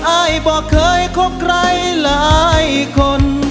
อายบอกเคยคบใครหลายคน